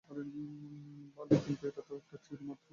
ভালোই, কিন্তু এটাতো একটা থিওরি মাত্র।